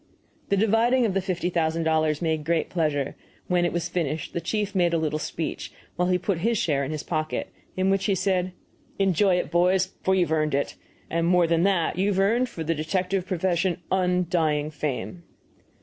The dividing of the fifty thousand dollars made great pleasure; when it was finished the chief made a little speech while he put his share in his pocket, in which he said, "Enjoy it, boys, for you've earned it; and, more than that, you've earned for the detective profession undying fame."